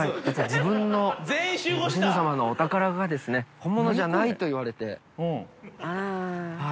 自分のご先祖様のお宝がですね、本物じゃないと言われて。